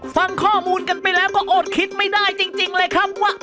ฟังข้อมูลกันไปแล้วก็อดคิดไม่ได้จริงเลยครับว่า